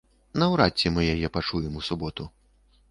Наўрад ці мы яе пачуем у суботу.